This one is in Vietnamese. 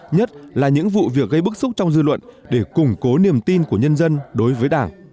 nhất là những vụ việc gây bức xúc trong dư luận để củng cố niềm tin của nhân dân đối với đảng